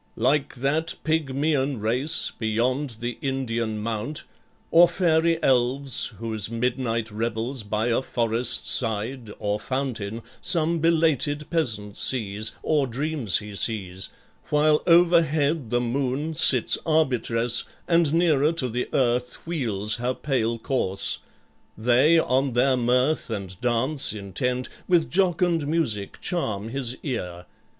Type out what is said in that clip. like that Pygmaean race Beyond the Indian mount, or fairy elves Whose midnight revels by a forest side, Or fountain, some belated peasant sees (Or dreams he sees), while overhead the moon Sits arbitress, and nearer to the earth Wheels her pale course; they on their mirth and dance Intent, with jocund music charm his ear.